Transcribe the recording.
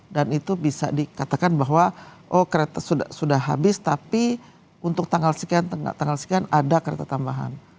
dan itu bisa dikatakan bahwa kereta sudah habis tapi untuk tanggal sekian tanggal sekian ada kereta tambahan